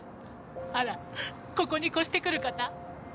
あらここに越して来る方？